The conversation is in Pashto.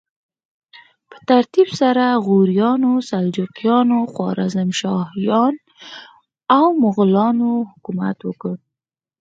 په ترتیب سره غوریانو، سلجوقیانو، خوارزمشاهیانو او مغولانو حکومت وکړ.